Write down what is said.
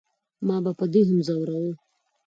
ما به په دې هم زوراوه.